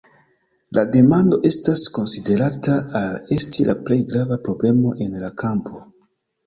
La demando estas konsiderata al esti la plej grava problemo en la kampo.